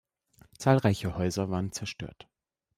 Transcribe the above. Zahlreiche Häuser waren zerstört.